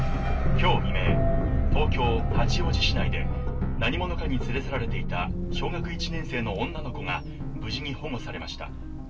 「今日未明東京八王子市内で何者かに連れ去られていた小学１年生の女の子が無事に保護されました」